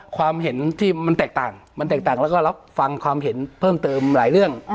ความเห็นที่มันแตกต่างมันแตกต่างแล้วก็รับฟังความเห็นเพิ่มเติมหลายเรื่อง